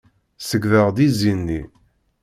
Ṣeyydeɣ-d izi-nni.